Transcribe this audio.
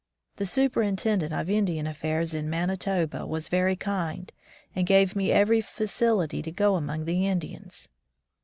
The Superintendent of Indian Affairs in Manitoba was very kind and gave me every facility to go among the Indians.